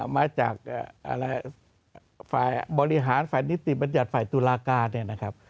มาจากฝ่ายบริหารฝ่ายนิติบัญญัติฝ่ายตุลาการเนี่ยนะครับ